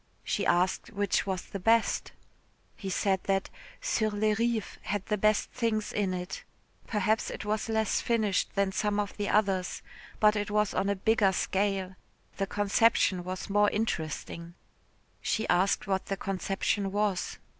She asked which was the best. He said that "Sur les Rives" had the best things in it. Perhaps it was less finished than some of the others, but it was on a bigger scale, the conception was more interesting. She asked what the conception was.